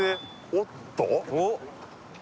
おっ？